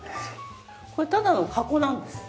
これただの箱なんです。